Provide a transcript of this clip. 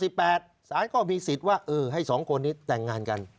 สารก็มีสิทธิ์ว่าให้๒คนนี้แต่งงานกัน